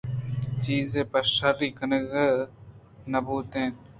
چیز پہ شرّی ءَ گندگ نہ بوت اَنت